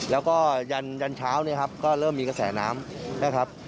แล้วก็ยันเช้าก็เริ่มมีกระแสน้ำนะครับ